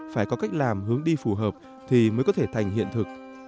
phải có cách làm hướng đi phù hợp thì mới có thể thành hiện thực